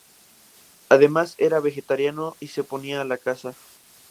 Además era vegetariano y se oponía a la caza.